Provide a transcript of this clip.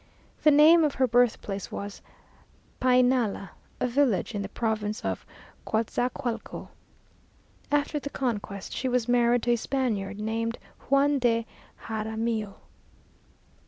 The name of her birthplace was Painala, a village in the province of Cuatzacualco. After the conquest, she was married to a Spaniard, named Juan de Jaramillo.